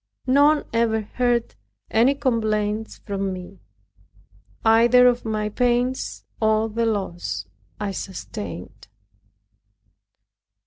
None ever heard any complaints from me, either of my pains or the loss I sustained.